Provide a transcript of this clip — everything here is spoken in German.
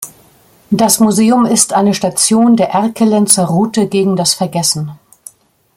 Das Museum ist eine Station der Erkelenzer Route gegen das Vergessen.